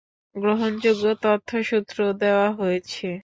গ্রহণযোগ্য তথ্যসূত্র দেওয়া হয়েছে।